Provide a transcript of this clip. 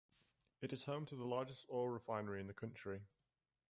It is home to the largest oil refinery in the country.